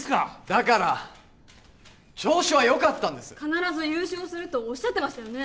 だから調子はよかったんです必ず優勝するとおっしゃってましたよね